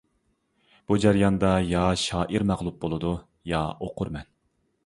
بۇ جەرياندا يا شائىر مەغلۇپ بولىدۇ يا ئوقۇرمەن.